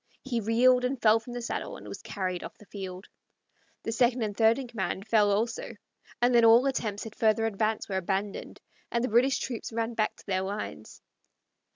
He reeled and fell from the saddle, and was carried off the field. The second and third in command fell also, and then all attempts at further advance were abandoned, and the British troops ran back to their lines.